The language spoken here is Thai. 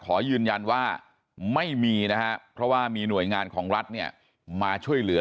ขอยืนยันว่าไม่มีนะครับเพราะว่ามีหน่วยงานของรัฐเนี่ยมาช่วยเหลือ